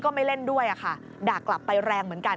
ไม่เล่นด้วยค่ะด่ากลับไปแรงเหมือนกัน